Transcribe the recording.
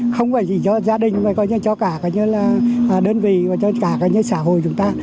không phải chỉ cho gia đình mà cho cả đơn vị và cho cả xã hội chúng ta